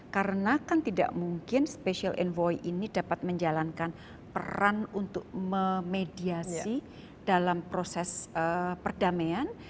karena kan tidak mungkin special envoy ini dapat menjalankan peran untuk memediasi dalam proses perdamaian